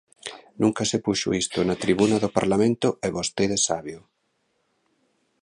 Nunca se puxo isto na tribuna do Parlamento e vostede sábeo.